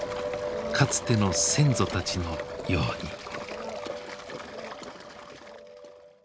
かつての先祖たちのように。